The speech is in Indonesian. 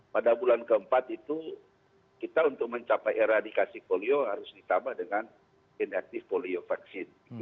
pada bulan keempat itu kita untuk mencapai era dikasih polio harus ditambah dengan indektive polio vaksin